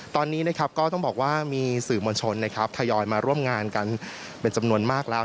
ตอนนี้นะครับก็ต้องบอกว่ามีสื่อมวลชนทยอยมาร่วมงานกันเป็นจำนวนมากแล้ว